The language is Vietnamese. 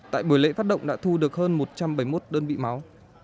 tại buổi lễ phát động đã thu được hơn một trăm bảy mươi một đơn vị máu